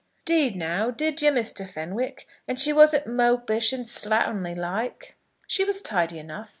"'Deed now, did you, Mr. Fenwick? And she wasn't mopish and slatternly like?" "She was tidy enough.